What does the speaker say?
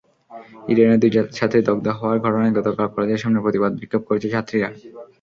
ইডেনের দুই ছাত্রী দগ্ধ হওয়ার ঘটনায় গতকাল কলেজের সামনে প্রতিবাদ বিক্ষোভ করেছে ছাত্রীরা।